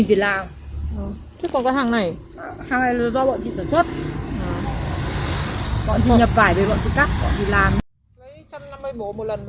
bọn chị nhập vải rồi bọn chị cắt bọn chị làm